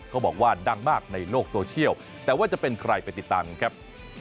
บอกว่าดังมากในโลกโซเชียลแต่ว่าจะเป็นใครไปติดตามกันครับ